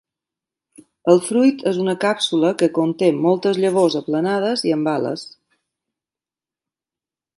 El fruit és una càpsula que conté moltes llavors aplanades i amb ales.